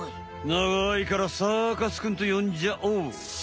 ながいからサーカスくんとよんじゃおう。